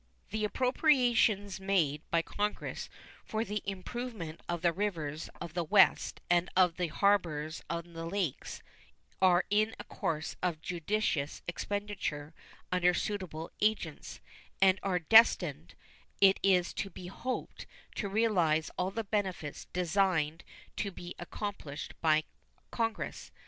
The appropriations made by Congress for the improvement of the rivers of the West and of the harbors on the Lakes are in a course of judicious expenditure under suitable agents, and are destined, it is to be hoped, to realize all the benefits designed to be accomplished by Congress.